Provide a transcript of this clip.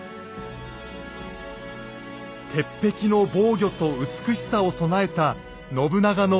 鉄壁の防御と美しさを備えた信長の安土城。